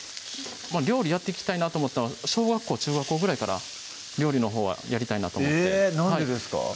料理やっていきたいなと思ったのは小学校・中学校ぐらいから料理のほうはやりたいなと思ってえなんでですか？